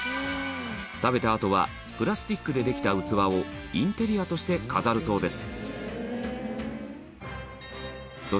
食べたあとはプラスチックでできた器をインテリアとして飾るそうです